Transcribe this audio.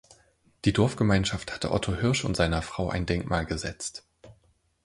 Die Dorfgemeinschaft hatte Otto Hirsch und seiner Frau ein Denkmal gesetzt.